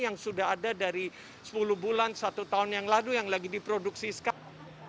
yang sudah ada dari sepuluh bulan satu tahun yang lalu yang lagi diproduksi skap